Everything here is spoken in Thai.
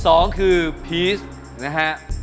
สองคือพีช